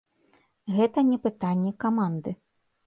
Гэта не пытанне каманды.